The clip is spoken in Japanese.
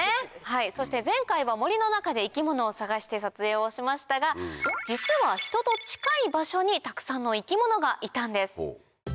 そして前回は森の中で生き物を探して撮影をしましたが実は人と近い場所にたくさんの生き物がいたんです。